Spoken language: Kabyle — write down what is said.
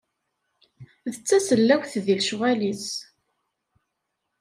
D tasellawt di lecɣal-is.